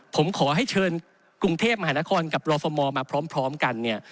ผมขอให้เชิญกรุงเทพมหานครกับลฟมมาพร้อมกันเนี่ย